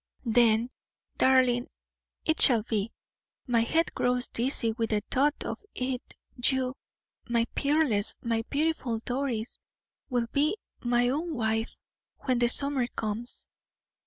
"Then, darling, it shall be my head grows dizzy with the thought of it you, my peerless, my beautiful Doris, will be my own wife when the summer comes.